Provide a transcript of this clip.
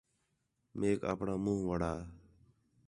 میک آپݨاں مُون٘ھ وڑا